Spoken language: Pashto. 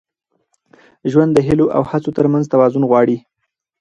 ژوند د هیلو او هڅو تر منځ توازن غواړي.